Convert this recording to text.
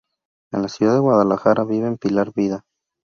En la ciudad de Guadalajara viven Pilar vda.